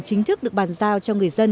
chính thức được bàn giao cho người dân